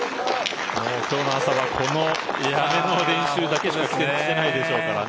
今日の朝はこの練習しかしてないでしょうからね。